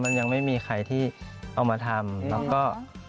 มันยังไม่มีใครที่เอามาทำ